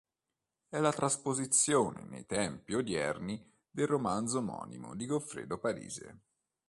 È la trasposizione nei tempi odierni del romanzo omonimo di Goffredo Parise.